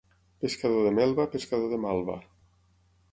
Pescador de melva, pescador de malva.